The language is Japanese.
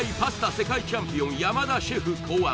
世界チャンピオン山田シェフ考案